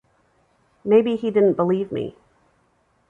Maybe he didn't believe me.